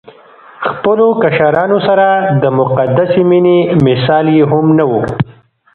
خپلو کشرانو سره د مقدسې مينې مثال يې هم نه وو